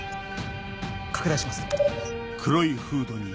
拡大します。